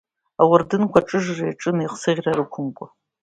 Ауардынқәа аҿыжра иаҿын еихсыӷьра рықәымкәа.